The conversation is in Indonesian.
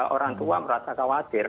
orang tua merasa khawatir